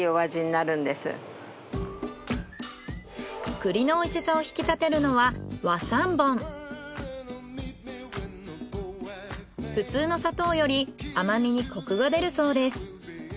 栗の美味しさを引き立てるのは普通の砂糖より甘味にコクが出るそうです。